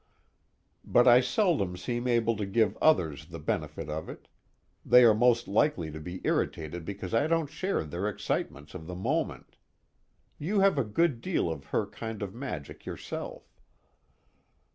But I seldom seem able to give others the benefit of it; they are most likely to be irritated because I don't share their excitements of the moment. You have a good deal of her kind of magic yourself.